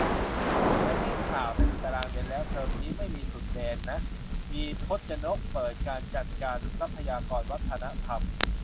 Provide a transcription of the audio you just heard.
ไม่ได้ข่าว แต่ดูตารางเรียนแล้ว เทอมนี้ไม่มีสุดแดนนะ มี พจนก เปิด 'การจัดการทรัพยากรวัฒนธรรม'